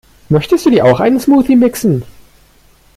Möchtest du dir auch einen Smoothie mixen?